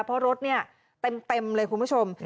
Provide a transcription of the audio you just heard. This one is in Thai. เพราะรถเนี่ยเต็มเลยคุณผู้ชม